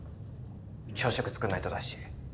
朝食作んないとだし。